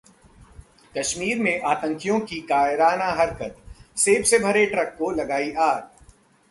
कश्मीर में आतंकियों की कायराना हरकत, सेब से भरे ट्रक को लगाई आग